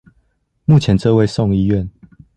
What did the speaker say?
目前這位送醫院